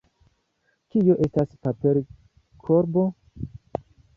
Kio estas paperkorbo?